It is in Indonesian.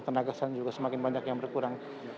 tenaga kesehatan juga semakin banyak yang berkurang